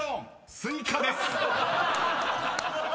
［スイカです］